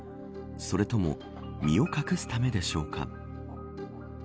それとも身を隠すためでしょうか。